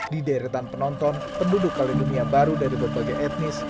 di deretan penonton penduduk kaledonia baru dari berbagai etnis